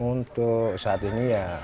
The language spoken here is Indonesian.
untuk saat ini ya